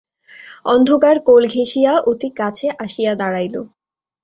অন্ধকার কোল ঘেঁষিয়া অতি কাছে আসিয়া দাঁড়াইল।